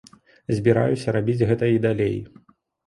Збіраюся рабіць гэта і далей.